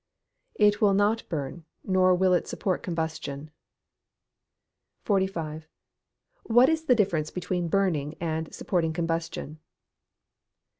_ It will not burn, nor will it support combustion. 45. _What is the difference between "burning" and "supporting combustion?"